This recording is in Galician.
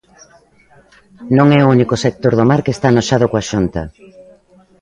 Non é o único sector do mar que está anoxado coa Xunta.